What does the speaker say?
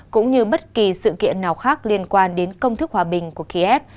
cũng như bất kỳ sự kiện nào khác liên quan đến công thức hòa bình của kiev